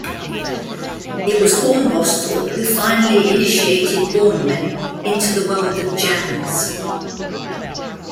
It was Hornbostel who finally initiated Borneman into the world of jazz.